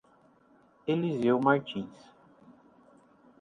Eliseu Martins